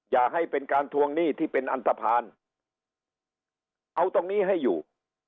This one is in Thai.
อย่าให้เป็นการทวงหนี้ที่เป็นอันตภัณฑ์เอาตรงนี้ให้อยู่